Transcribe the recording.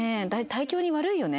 胎教に悪いよね